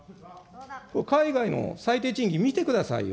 海外の最低賃金見てくださいよ。